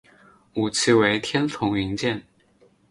武器为天丛云剑。